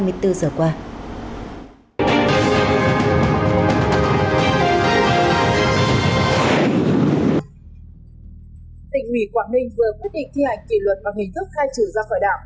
tỉnh uỷ quảng ninh vừa quyết định thi hành kỷ luật và hình thức khai trừ ra khỏi đảng